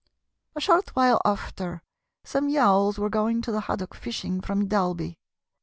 A short while after some yawls were going to the haddock fishing from Dalby.